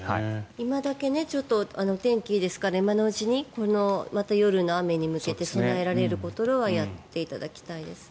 今だけ天気がいいですから今のうちにまた夜の雨に向けて備えられることはやっていただきたいですね。